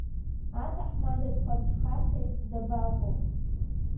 Аҭаҳмада дхәарҽхахьеит, дабаҟоу!